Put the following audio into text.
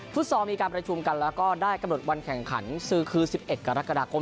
ซอลมีการประชุมกันแล้วก็ได้กำหนดวันแข่งขันซื้อคือ๑๑กรกฎาคม